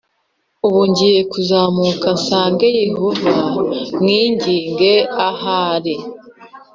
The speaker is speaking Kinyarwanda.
Ubu ngiye kuzamuka nsange Yehova mwinginge ahari